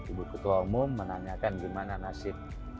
ibu ketua umum menanyakan gimana nasib